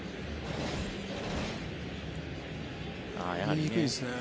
見えにくいんですね。